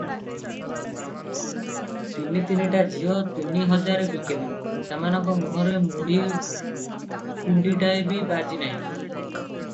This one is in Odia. ତିନି ତିନିଟା ଝିଅ ତିନି ହଜାରେ ବିକିଲା, ସେମାନଙ୍କ ମୁହଁରେ ମୁଢ଼ି ଗୁଣ୍ଡିଟାଏ ବି ବାଜି ନାହିଁ ।